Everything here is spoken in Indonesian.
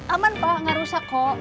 aman pak nggak rusak kok